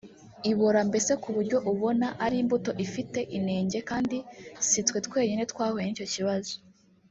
ibora mbese ku buryo ubona ari imbuto ifite inenge kandi sitwe twenyine twahuye n’icyo kibazo